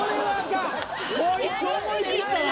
こいつ思い切ったな。